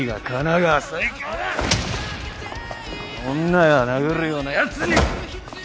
女を殴るようなやつに！